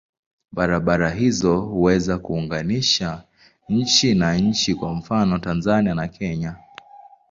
Barabara hizo huweza kuunganisha nchi na nchi, kwa mfano Tanzania na Kenya.